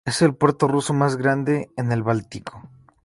Es el puerto ruso más grande en el Báltico.